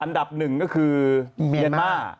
อันดับหนึ่งก็คือเมียนมาร์